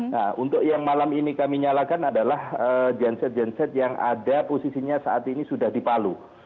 nah untuk yang malam ini kami nyalakan adalah genset genset yang ada posisinya saat ini sudah di palu